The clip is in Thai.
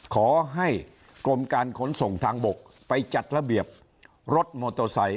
ขอให้กรมการขนส่งทางบกไปจัดระเบียบรถมอเตอร์ไซค